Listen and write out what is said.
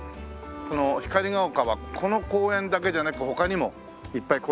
この光が丘はこの公園だけじゃなく他にもいっぱい公園があるんだよね？